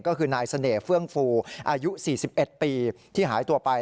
ก็คือนายเสน่ห์เฟื่องฟูอายุ๔๑ปีที่หายตัวไป